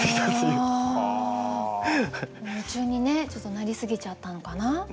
夢中にねちょっとなりすぎちゃったのかな？